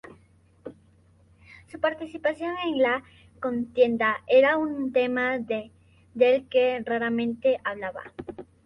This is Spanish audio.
Su participación en la contienda era un tema del que raramente hablaba.